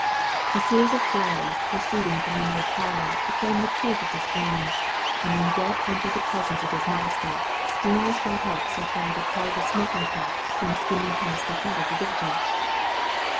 A series of growls proceeding from the near parlour proclaimed the truth of this warning, and when Gebb entered the presence of his master, steam was got up so far that Parge's smoking cap came skimming past the head of the visitor.